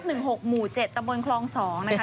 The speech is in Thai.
๕๖๑๖หมู่๗ตะเมินคลอง๒นะคะ